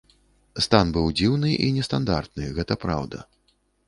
Стан быў дзіўны і нестандартны, гэта праўда.